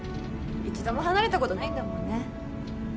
一度も離れたことないんだもんね